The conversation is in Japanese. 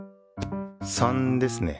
３ですね。